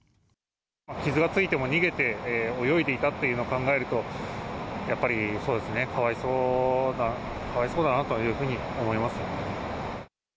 傷がついても逃げて、泳いでいたっていうのを考えると、やっぱり、そうですね、かわいそうだなというふうに思いますね。